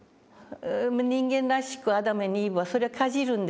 人間らしくアダムにイブはそれをかじるんですね